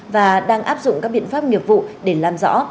và đang áp dụng các biện pháp nghiệp vụ để làm rõ